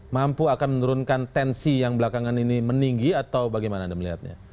mampu akan menurunkan tensi yang belakangan ini meninggi atau bagaimana anda melihatnya